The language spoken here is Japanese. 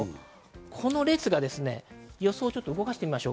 この列が予想を動かしてみます。